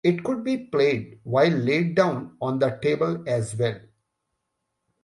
It could be played while laid down on the table as well.